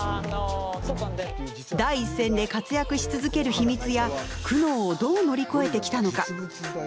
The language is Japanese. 第一線で活躍し続ける秘密や苦悩をどう乗り越えてきたのか。